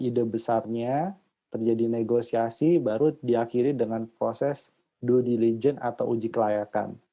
ide besarnya terjadi negosiasi baru diakhiri dengan proses due diligence atau uji kelayakan